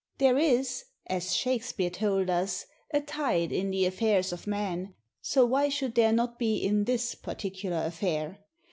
There is, as Shakespeare told us, a tide in the affairs of man, so why should there not be in this particular affair?